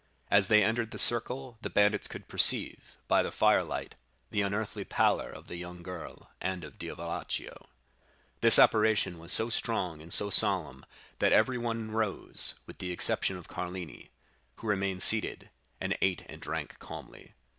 As they entered the circle, the bandits could perceive, by the firelight, the unearthly pallor of the young girl and of Diavolaccio. This apparition was so strange and so solemn, that everyone rose, with the exception of Carlini, who remained seated, and ate and drank calmly.